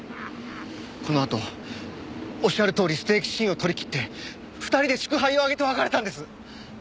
このあとおっしゃるとおりステーキシーンを撮りきって２人で祝杯を挙げて別れたんです。